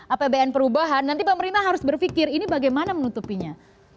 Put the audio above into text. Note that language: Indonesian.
apbn perubahan nanti pemerintah harus berpikir ini bagaimana menutupinya